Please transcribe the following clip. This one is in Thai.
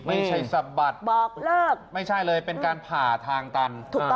สะบัดบอกเลิกไม่ใช่เลยเป็นการผ่าทางตันถูกต้อง